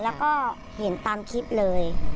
แล้วก็เห็นตามคลิปเลย